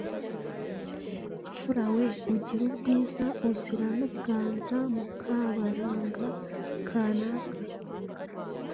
Mfura we ugira ubwiza uzira n’ubwanza Mukabaranga ( Kanaka )